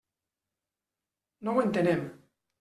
No ho entenem.